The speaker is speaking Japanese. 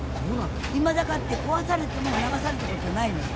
いまだかつて、壊されても、流されたことないの。